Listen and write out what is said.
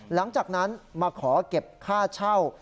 หลังจากนั้นมาขอเก็บค่าเช่า